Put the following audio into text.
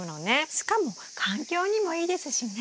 しかも環境にもいいですしね。